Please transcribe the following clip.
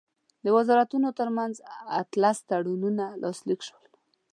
د وزارتونو ترمنځ اتلس تړونونه لاسلیک شول.